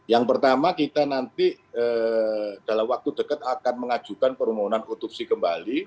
yang pertama kita nanti dalam waktu dekat akan mengajukan permohonan otopsi kembali